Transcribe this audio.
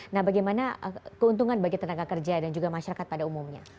nah bagaimana keuntungan bagi tenaga kerja dan juga masyarakat pada umumnya